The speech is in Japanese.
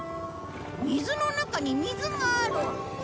水の中に水がある。